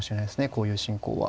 こういう進行は。